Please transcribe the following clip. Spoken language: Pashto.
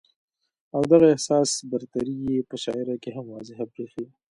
او دغه احساس برتري ئې پۀ شاعرۍ کښې هم واضحه برېښي